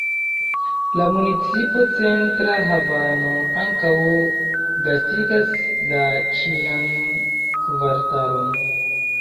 La municipo Centra havano ankaŭ gastigas la Ĉinan kvartalon.